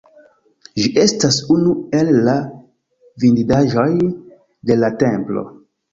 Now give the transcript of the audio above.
Ĝi estas unu el la vidindaĵoj de la templo.